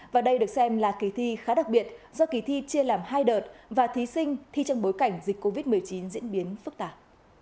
và đây được xem là kỳ thi khá đặc biệt do kỳ thi chia làm hai đợt và thí sinh thi trong bối cảnh dịch covid một mươi chín diễn biến phức tạp